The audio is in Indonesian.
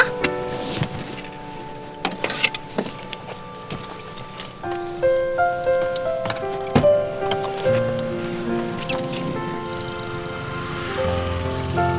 membentuk ada parah di dalam